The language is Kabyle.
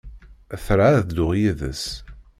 Tra ad dduɣ yid-s.